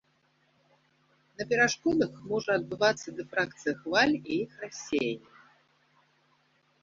На перашкодах можа адбывацца дыфракцыя хваль і іх рассеянне.